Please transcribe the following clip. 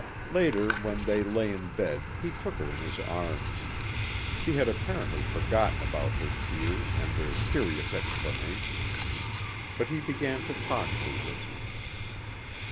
Later when they lay in bed he took her in his arms. She had apparently forgotten about her tears and their curious explanation. But he began to talk to her.